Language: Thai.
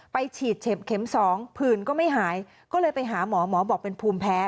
ฉีดเข็มสองผื่นก็ไม่หายก็เลยไปหาหมอหมอบอกเป็นภูมิแพ้